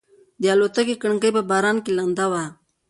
د الوتکې کړکۍ په باران کې لنده وه.